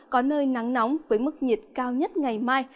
có nơi nắng nóng với mức nhiệt cao nhất ngày mai